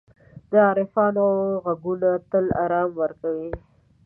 د عارفانو ږغونه تل آرامي ورکوي.